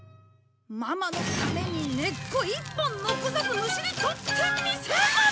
ママのために根っこ一本残さずむしり取ってみせる！